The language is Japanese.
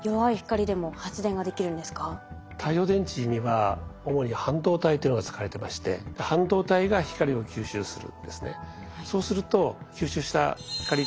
まずは太陽電池には主に半導体というのが使われてまして半導体が光を吸収するんですね。